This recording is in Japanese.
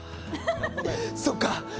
そっか！